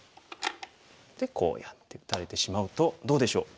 でこうやって打たれてしまうとどうでしょう？